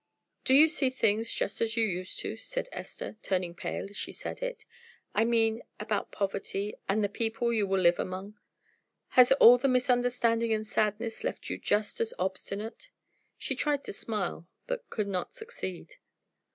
"Do you see things just as you used to do?" said Esther, turning pale as she said it "I mean about poverty, and the people you will live among. Has all the misunderstanding and sadness left you just as obstinate?" She tried to smile, but could not succeed.